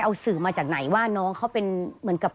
เพื่อที่จะได้หายป่วยทันวันที่เขาชีจันทร์จังหวัดชนบุรี